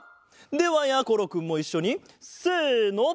ではやころくんもいっしょにせの。